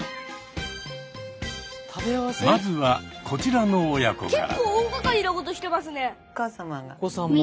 まずはこちらの親子から。